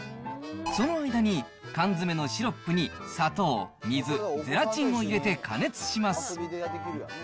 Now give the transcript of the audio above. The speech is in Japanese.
その間に、缶詰のシロップに砂糖、水、ゼラチンを入れて加熱します。